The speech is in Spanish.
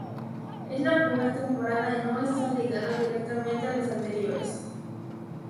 Es la primer temporada en no estar ligada directamente a las anteriores.